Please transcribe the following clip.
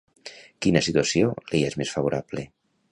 Quina situació li és més favorable?